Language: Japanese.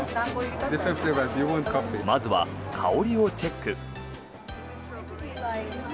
まずは香りをチェック。